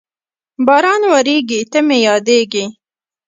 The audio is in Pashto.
باران ورېږي، ته مې یادېږې